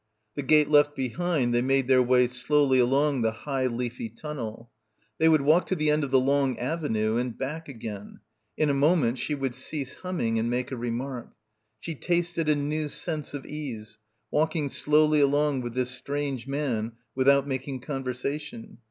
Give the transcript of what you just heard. — 62 — BACKWATER m I The gate left behind, they made their way slowly along the high leafy tunnel. They would walk to the end of the long avenue and back again. In a moment she would cease humming and make a remark. She tasted a new sense of ease, walking slowly along with this strange man without "making conversa tion."